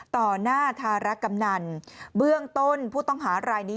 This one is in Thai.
ต่อหน้าธารกำนันเบื้องต้นผู้ต้องหารายนี้